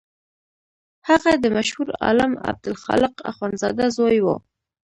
هغه د مشهور عالم عبدالخالق اخوندزاده زوی و.